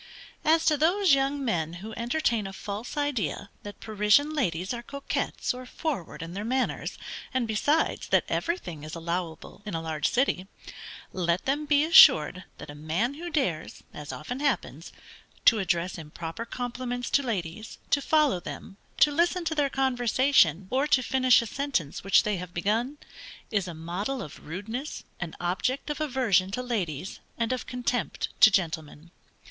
As to those young men who entertain a false idea that Parisian ladies are coquettes or forward in their manners, and besides, that everything is allowable in a large city, let them be assured that a man who dares (as often happens) to address improper compliments to ladies, to follow them, to listen to their conversation, or to finish a sentence which they have begun, is a model of rudeness, an object of aversion to ladies, and of contempt to gentlemen.